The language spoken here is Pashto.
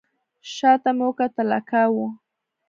شا ته مې وکتل اکا و.